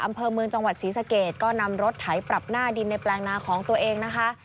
อำเภอเมืองจังหวัดศรีสะเกดก็นำรถไถปรับหน้าดินในแปลงนาของตัวเองนะคะ